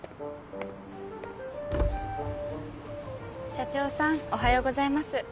社長さんおはようございます。